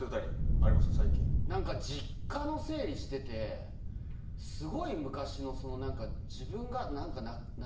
実家の整理しててすごい昔の自分が。